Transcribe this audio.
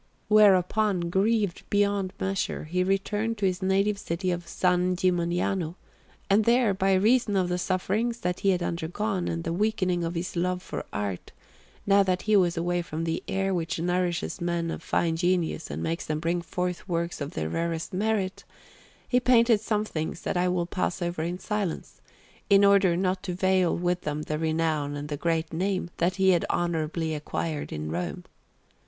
Whereupon, grieved beyond measure, he returned to his native city of San Gimignano; and there, by reason of the sufferings that he had undergone, and the weakening of his love for art, now that he was away from the air which nourishes men of fine genius and makes them bring forth works of the rarest merit, he painted some things that I will pass over in silence, in order not to veil with them the renown and the great name that he had honourably acquired in Rome.